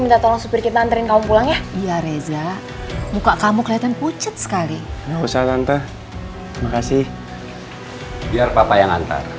tapi arfan sudah cmg